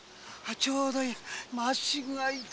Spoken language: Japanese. ちょうどいい。